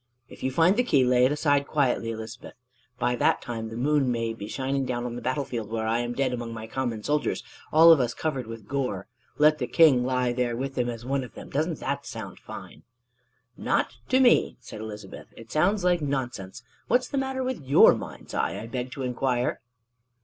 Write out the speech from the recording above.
If you find the key, lay it aside quietly, Elizabeth. By that time the moon may be shining down on the battle field where I am dead among my common soldiers, all of us covered with gore: let the king lie there with them as one of them: doesn't that sound fine?" "Not to me!" said Elizabeth. "It sounds like nonsense: what's the matter with your mind's eye, I beg to inquire?"